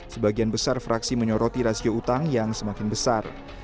sebagian besar fraksi menyoroti rasio utang yang semakin besar